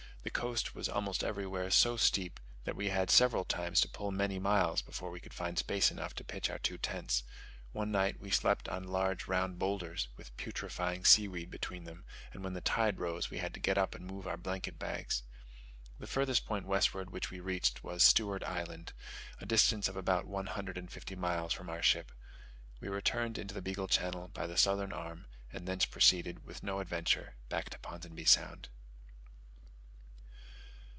The coast was almost everywhere so steep, that we had several times to pull many miles before we could find space enough to pitch our two tents: one night we slept on large round boulders, with putrefying sea weed between them; and when the tide rose, we had to get up and move our blanket bags. The farthest point westward which we reached was Stewart Island, a distance of about one hundred and fifty miles from our ship. We returned into the Beagle Channel by the southern arm, and thence proceeded, with no adventure, back to Ponsonby Sound.